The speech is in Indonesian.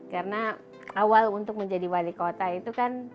karena awal untuk menjadi wali kota itu kan